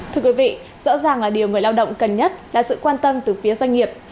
thưa quý vị rõ ràng là điều người lao động cần nhất là sự quan tâm từ phía doanh nghiệp